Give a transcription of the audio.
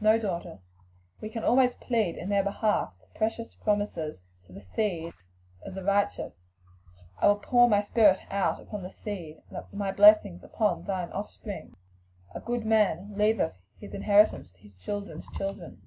"No, daughter; and we can always plead in their behalf the precious promises to the seed of the righteous. 'I will pour my Spirit upon thy seed, and my blessing upon thine offspring.' 'A good man leaveth an inheritance to his children's children.'"